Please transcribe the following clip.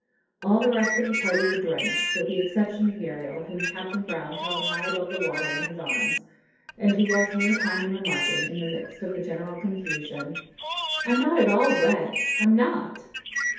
All the rest of the party were drenched, with the exception of Muriel, whom Captain Brown held high above the water in his arms, and who lost no time in remarking, in the midst of the general confusion, "I'm not at all wet, I'm not."